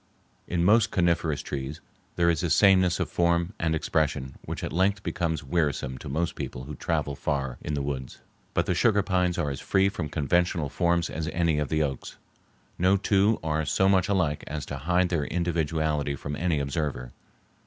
In most coniferous trees there is a sameness of form and expression which at length becomes wearisome to most people who travel far in the woods. But the sugar pines are as free from conventional forms as any of the oaks. No two are so much alike as to hide their individuality from any observer.